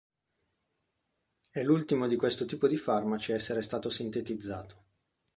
È l'ultimo di questo tipo di farmaci a essere stato sintetizzato.